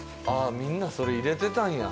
みんなそれ入れてたんや